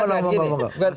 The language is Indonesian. bisa bantu jelas kan